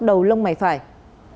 đối với đối tượng trần hữu lợi